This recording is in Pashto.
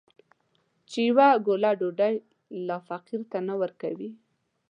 چې يوه ګوله ډوډۍ لا فقير ته نه ورکوي.